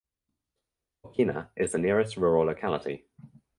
Fokina is the nearest rural locality.